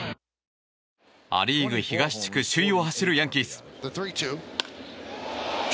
ア・リーグ東地区首位を走るヤンキース。